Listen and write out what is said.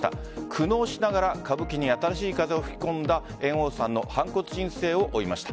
苦悩しながら歌舞伎に新しい風を吹き込んだ猿翁さんの反骨人生を追いました。